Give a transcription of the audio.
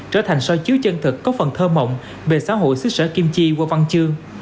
trở thành so chiếu chân thực có phần thơ mộng về xã hội xứ sở kim chi qua văn chương